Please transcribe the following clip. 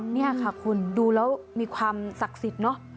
นี่ค่ะคุณดูแล้วมีความศักดิ์สิทธิ์เนอะ